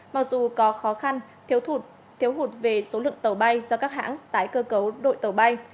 mặc dù có khó khăn thiếu hụt về số lượng tàu bay do các hãng tái cơ cấu đội tàu bay